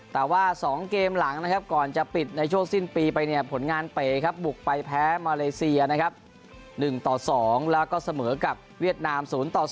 แต่ว่า๒เกมหลังก่อนจะปิดในช่วงสิ้นปีไปเนี่ยผลงานเป๋บุกไปแพ้มาเลเซีย๑๒แล้วก็เสมอกับเวียดนาม๐๐